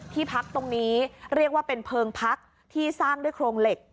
ที่พักตรงนี้เรียกว่าเป็นเพลิงพักที่สร้างด้วยโครงเหล็ก